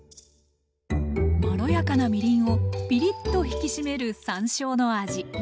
まろやかなみりんをピリッと引き締める山椒の味。